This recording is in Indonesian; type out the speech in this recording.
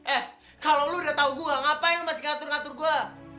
eh kalo lu udah tau gua ngapain lu masih ngatur ngatur gua